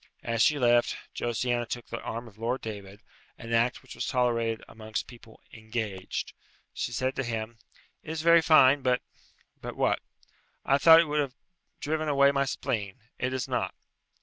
As she left, Josiana took the arm of Lord David, an act which was tolerated amongst people "engaged." She said to him, "It is very fine, but " "But what?" "I thought it would have driven away my spleen. It has not."